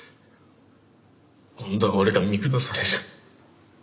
今度は俺が見下される。